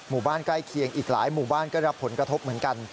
หมู่บ้านใกล้เคียงอีกหลายหมู่บ้านก็รับผลกระทบเหมือนกัน